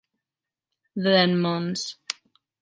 Then mons.